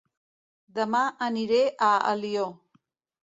Dema aniré a Alió